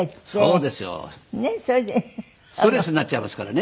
ストレスになっちゃいますからね。